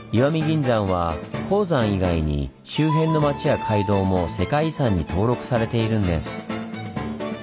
銀山は鉱山以外に周辺の町や街道も世界遺産に登録されているんです。